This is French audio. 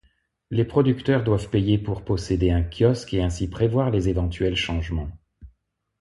Les producteurs doivent payer pour posséder un kiosque et ainsi prévoir les éventuels changements.